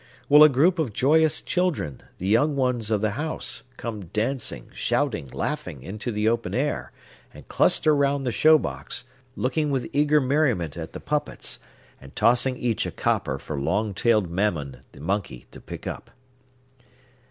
Will a group of joyous children, the young ones of the house, come dancing, shouting, laughing, into the open air, and cluster round the show box, looking with eager merriment at the puppets, and tossing each a copper for long tailed Mammon, the monkey, to pick up?